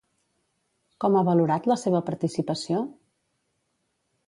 Com ha valorat la seva participació?